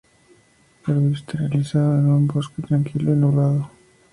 El video está realizado en un bosque tranquilo y nublado.